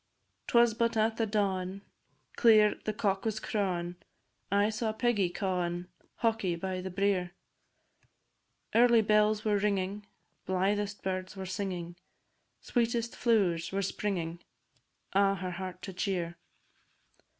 'Twas but at the dawin', Clear the cock was crawin', I saw Peggy cawin' Hawky by the brier. Early bells were ringin', Blythest birds were singin', Sweetest flowers were springin', A' her heart to cheer.